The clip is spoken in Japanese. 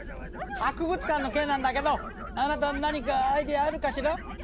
博物館の件なんだけどあなた何かアイデアあるかしら？